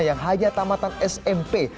yang hajat tamatan smp